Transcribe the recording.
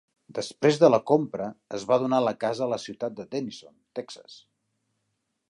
Després de la compra, es va donar la casa a la ciutat de Denison, Texas.